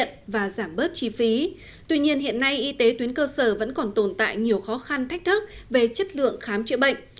tuy nhiên hiện nay y tế tuyến cơ sở vẫn còn tồn tại nhiều khó khăn thách thức về chất lượng khám chữa bệnh